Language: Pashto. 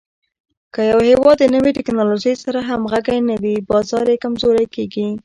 که یو هېواد د نوې ټکنالوژۍ سره همغږی نه وي، بازار یې کمزوری کېږي.